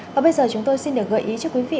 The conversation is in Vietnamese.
và bây giờ chúng tôi xin được gợi ý cho quý vị